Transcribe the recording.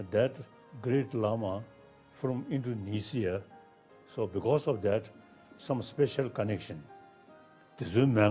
dalai lama dari indonesia karena itu ada hubungan yang spesial